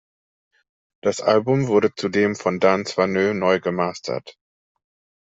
Das Album wurde zudem von Dan Swanö neu gemastert.